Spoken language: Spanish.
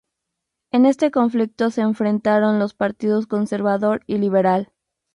En este conflicto se enfrentaron los partidos Conservador y Liberal.